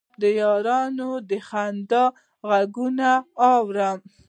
د یارانو د خندا غـږونه اورم